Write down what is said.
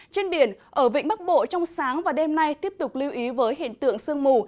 trên biển ở vịnh bắc bộ trong sáng và đêm nay tiếp tục lưu ý với hiện tượng sương mù